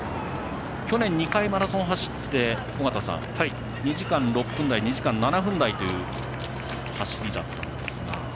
去年２回、マラソンを走って尾方さん２時間６分台、２時間７分台という走りだったんですが。